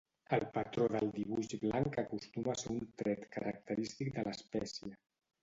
El patró del dibuix blanc acostuma a ser un tret característic de l'espècie.